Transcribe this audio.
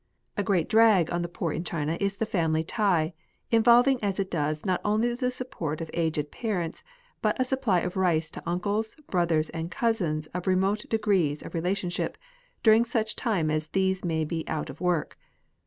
A great drag on the poor in China is the family tie, involving as it does not only the support of aged parents, but a supply of rice to uncles, brothers, and cousins of remote degrees of relationship, during such time as these may be out of work.